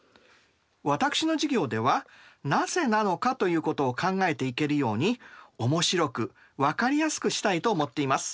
私の授業ではなぜなのかということを考えていけるように面白く分かりやすくしたいと思っています。